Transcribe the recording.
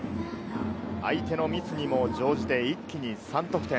相手のミスにも乗じて、一気に３得点。